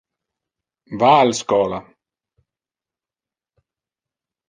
Va al schola.